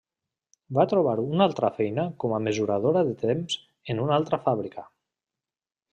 Va trobar una altra feina com a mesuradora de temps en una altra fàbrica.